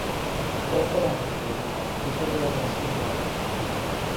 オートバイのグループが駐車場を走り回る